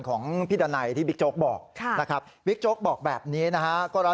ของพิดาไนที่วิกโจ๊กบอกวิกโจ๊กบอกแบบนี้นะครับ